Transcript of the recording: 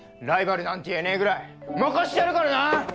ライバルなんて言えねえぐらい負かしてやるからな！